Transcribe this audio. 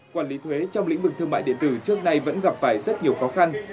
quản lý thuế trong lĩnh vực thương mại điện tử trước nay vẫn gặp phải rất nhiều khó khăn